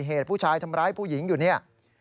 เหตุผู้ชายทำร้ายผู้หญิงอยู่เนี่ย